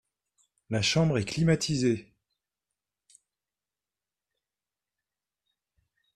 La chambre est climatisée ?